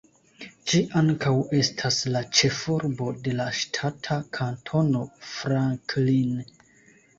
Ĝi ankaŭ estas la ĉefurbo de la ŝtata Kantono Franklin.